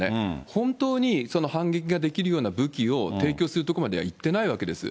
本当に反撃ができるような武器を提供するところまではいってないわけです。